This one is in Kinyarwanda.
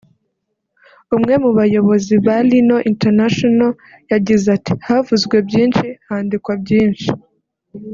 umwe mu bayobozi ba Lino International yagize ati “Havuzwe byinshi handikwa byinshi